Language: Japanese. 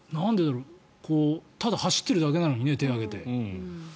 ただ走ってるだけなのにね手を上げて。